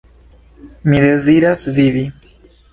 Mi deziras vivi.